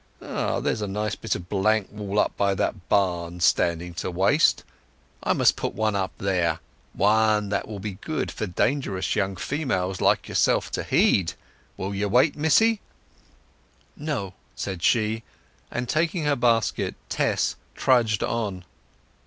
Ah—there's a nice bit of blank wall up by that barn standing to waste. I must put one there—one that it will be good for dangerous young females like yerself to heed. Will ye wait, missy?" "No," said she; and taking her basket Tess trudged on.